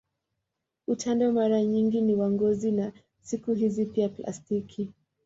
Utando mara nyingi ni wa ngozi na siku hizi pia plastiki.